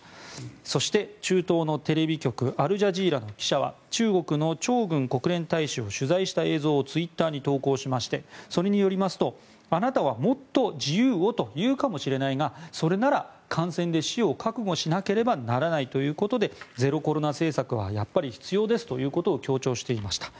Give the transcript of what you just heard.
そして、中東のテレビ局アルジャジーラの記者は中国のチョウ・グン国連大使を取材した映像をツイッターに投稿しましてそれによりますとあなたはもっと自由をと言うかもしれないがそれなら感染で死を覚悟しなければならないということでゼロコロナ政策はやっぱり必要ですということを強調していました。